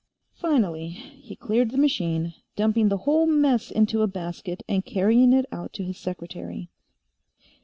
Finally, he cleared the machine, dumping the whole mess into a basket and carrying it out to his secretary.